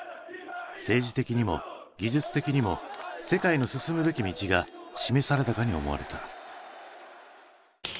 政治的にも技術的にも世界の進むべき道が示されたかに思われた。